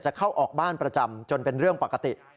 เข้าออกบ้านประจำจนเป็นเรื่องปกติ